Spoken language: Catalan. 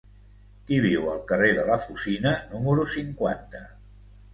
Qui viu al carrer de la Fusina número cinquanta?